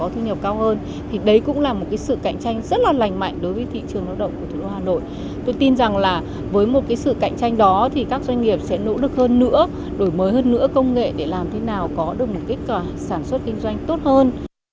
tôi tin rằng với sự cạnh tranh đó các doanh nghiệp sẽ nỗ lực hơn nữa đổi mới hơn nữa công nghệ để làm thế nào có được sản xuất kinh doanh tốt hơn